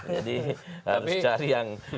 jadi harus cari yang